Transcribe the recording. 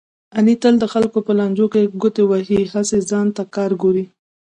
علي تل د خلکو په لانجو کې ګوتې وهي، هسې ځان ته کار ګوري.